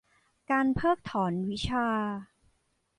การเพิกถอนวิชา